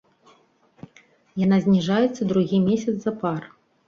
Яна зніжаецца другі месяц запар.